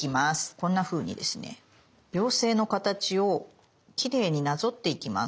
こんなふうにですね妖精の形をきれいになぞっていきます。